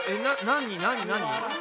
何何？